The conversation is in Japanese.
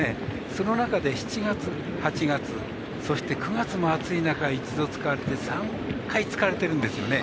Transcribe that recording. その中で７月、８月そして、９月も暑い中１度、使って３回使われてるんですよね。